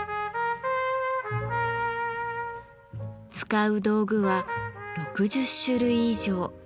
使う道具は６０種類以上。